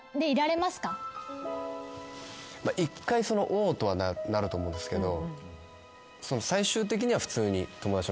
１回「おおっ」とはなると思うんですけど。